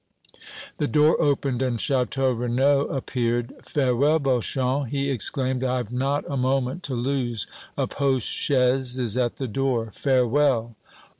The door opened and Château Renaud appeared. "Farewell, Beauchamp!" he exclaimed, "I've not a moment to lose! A post chaise is at the door! Farewell!"